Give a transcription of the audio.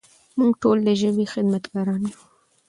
موږ ټول د ژبې خدمتګاران یو.